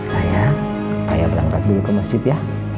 sayang ayah berangkat dulu ke masjid ya